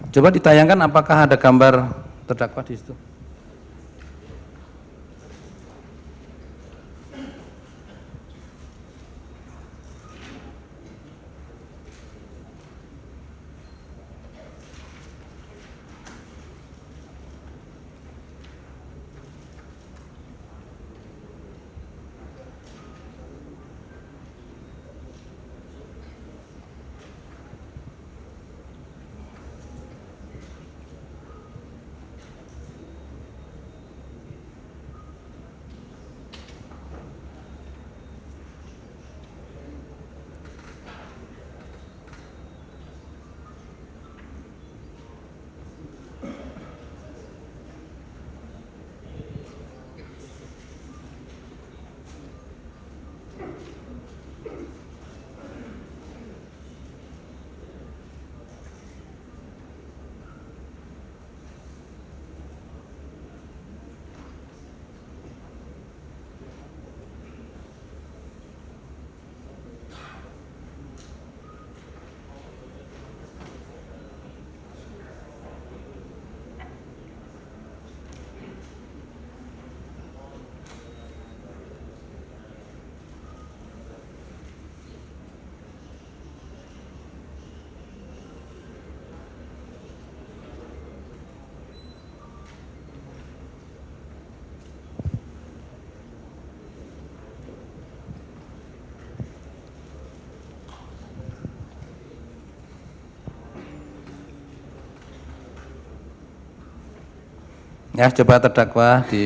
coba ditayangkan apakah ada gambar terdakwa di situ